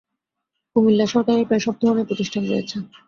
কুমিল্লায় সরকারের প্রায় সব ধরনের প্রতিষ্ঠান রয়েছে।